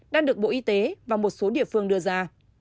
đang được bộ y tế và một số địa phương đưa ra